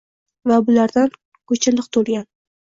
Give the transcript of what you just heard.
Va bulardan ko‘cha liq to‘lgan